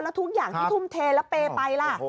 แล้วทุกอย่างที่ทุ่มเทแล้วเปย์ไปล่ะ